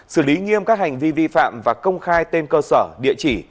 xử lý nghiêm các hành vi vi phạm và công khai tên cơ sở địa chỉ